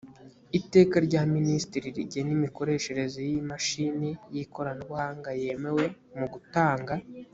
iteka rya minisitiri rigena imikoreshereze y imashini y ikoranabuhanga yemewe mu gutanga